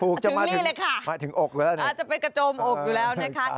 ผูกจะมาถึงอกจะเป็นกระจมอกอยู่แล้วนะคะ